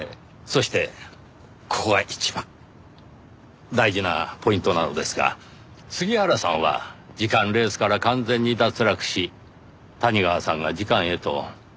そしてここが一番大事なポイントなのですが杉原さんは次官レースから完全に脱落し谷川さんが次官へとまた一歩前進しました。